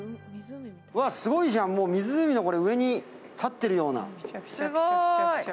すごいじゃん、湖の上に立ってるような。